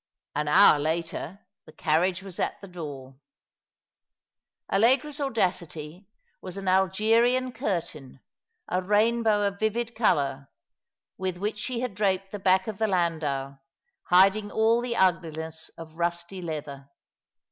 An hour later the carriage was at the door. Allegra's audacity was an Algerian curtain, a rainbow of vivid colour, with which she had draped the back of the lacdau, hiding all the ugliness of rusty leather.